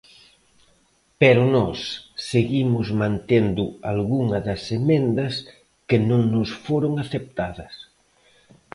Pero nós seguimos mantendo algunha das emendas que non nos foron aceptadas.